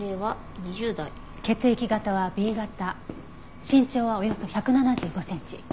血液型はＢ型身長はおよそ１７５センチ。